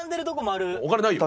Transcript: お金ないよ。